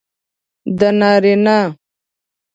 د نارینه